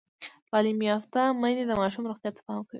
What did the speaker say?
تعلیم یافته میندې د ماشوم روغتیا ته پام کوي۔